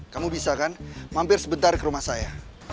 kamu bisa kan mampir sebentar ke rumah saya